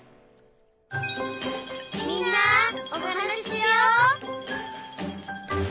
「みんなおはなししよう」